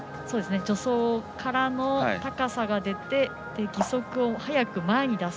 助走からの高さが出て義足を早く前に出す。